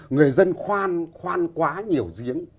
người dân khoan khoan quá nhiều giếng